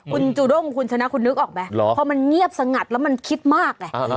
คุณจูด้งคุณชนะคุณนึกออกไหมพอมันเงียบสงัดแล้วมันคิดมากไง